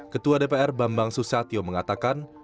ketua dpr bambang susatyo mengatakan